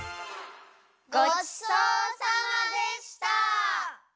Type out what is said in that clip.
ごちそうさまでした！